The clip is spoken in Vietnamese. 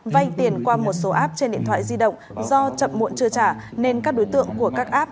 vay tiền qua một số app trên điện thoại di động do chậm muộn chưa trả nên các đối tượng của các app